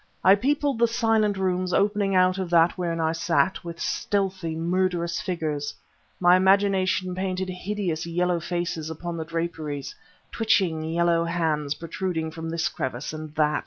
I peopled the silent rooms opening out of that wherein I sat, with stealthy, murderous figures; my imagination painted hideous yellow faces upon the draperies, twitching yellow hands protruding from this crevice and that.